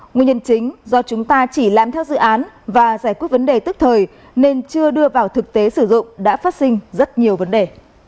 nguyên nhân chính do chúng ta chỉ làm theo dự án và giải quyết vấn đề tức thời nên chưa đưa vào thực tế sử dụng đã phát sinh rất nhiều vấn đề